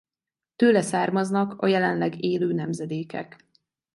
Tőle származnak a jelenleg élő nemzedékek.